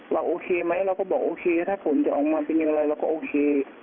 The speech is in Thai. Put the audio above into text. โอเคไหมเราก็บอกโอเคถ้าผลจะออกมาเป็นอย่างไรเราก็โอเค